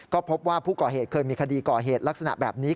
ก็พบว่าผู้ก่อเหตุเคยมีคดีก่อเหตุลักษณะแบบนี้